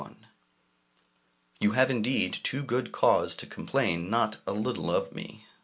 You have indeed too good cause to complain not a little of me.